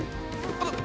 あっ！